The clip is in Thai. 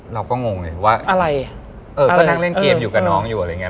เราก็งงเลยว่าก็นั่งเล่นเกมอยู่กับน้องอยู่อะไรอย่างนี้